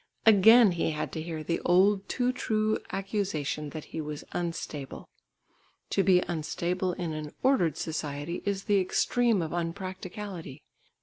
Again he had to hear the old too true accusation that he was unstable. To be unstable in an ordered society is the extreme of unpracticality.